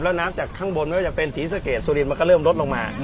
แล้วน้ำจากข้างบนไม่ว่าจะเป็นศรีสะเกดสุรินมันก็เริ่มลดลงมา